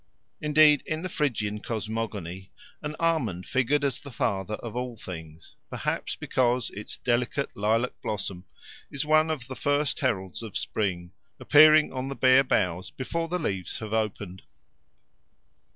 Indeed in the Phrygian cosmogony an almond figured as the father of all things, perhaps because its delicate lilac blossom is one of the first heralds of the spring, appearing on the bare boughs before the leaves have opened.